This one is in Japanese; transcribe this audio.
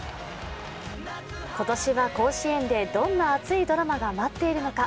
今年は甲子園でどんな熱いドラマが待っているのか。